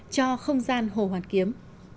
cho không gian hồ hoàn kiếm